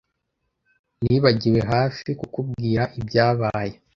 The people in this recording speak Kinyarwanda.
Nibagiwe hafi kukubwira ibyabaye.